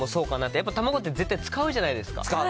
やっぱ卵って、絶対使うじゃない使う。